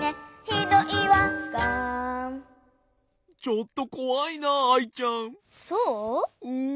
ちょっとこわいなアイちゃん。